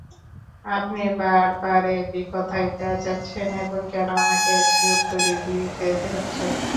আপনি বারবার একই কথাই প্যাচাচ্ছেন এবং আমাকে একই উত্তরই দিতে হচ্ছে।